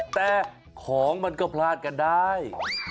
แต่ของมันก็พลาดกันได้